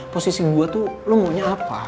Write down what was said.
posisi gue tuh lo maunya apa